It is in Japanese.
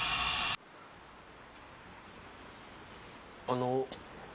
あの。